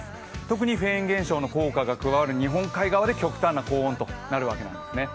特にフェーン現象の効果が加わる日本海側で極端な高温となるわけなんですね